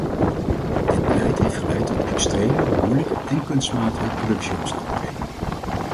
Dit beleid heeft geleid tot extreme, moeilijke en kunstmatige productie-omstandigheden.